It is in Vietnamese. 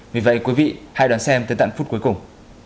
vì vậy quý vị hãy đón xem tới tận phút cuối cùng